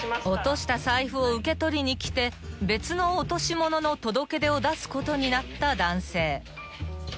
［落とした財布を受け取りに来て別の落とし物の届け出を出すことになった男性］